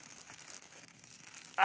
あ！